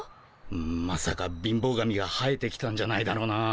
まさか貧乏神が生えてきたんじゃないだろうな。